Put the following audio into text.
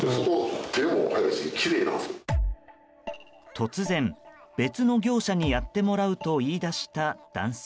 突然、別の業者にやってもらうと言い出した男性。